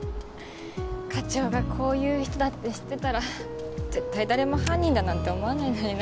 課長がこういう人だって知ってたら絶対誰も犯人だなんて思わないのにな。